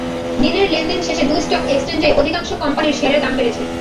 দিনের লেনদেন শেষে দুই স্টক এক্সচেঞ্জেই অধিকাংশ কোম্পানির শেয়ারের দাম বেড়েছে।